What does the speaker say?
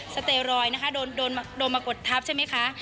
สเตรอยด์นะคะโดนมากดทับใช่ไหมคะ